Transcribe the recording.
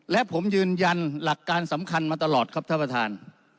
และผมยืนยันหลักการสำคัญมาตลอดครับท่านประธาน